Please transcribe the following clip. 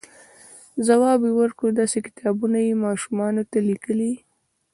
ځواب یې ورکړ، داسې کتابونه یې ماشومانو ته لیکل،